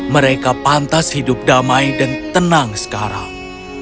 mereka pantas hidup damai dan tenang sekarang